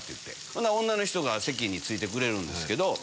ほな女の人が席に着いてくれるんですけど。